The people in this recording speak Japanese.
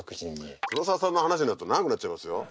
黒澤さんの話になると長くなっちゃいますよ。